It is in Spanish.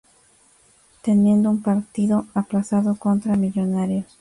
Teniendo un partido aplazado, contra Millonarios.